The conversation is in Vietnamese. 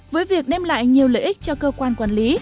với việc đem lại nhiều lợi ích cho cơ quan quản lý